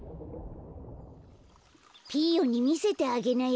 ピーヨンにみせてあげなよ。